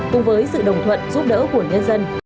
cùng với sự đồng thuận giúp đỡ của nhân dân